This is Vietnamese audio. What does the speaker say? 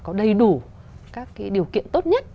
các cái điều kiện tốt nhất